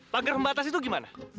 pager pembatas itu gimana